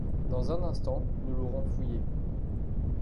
Dans un instant, nous l’aurons fouillé!